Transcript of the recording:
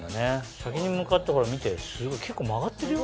先に向かってほら見てすごい結構曲がってるよ。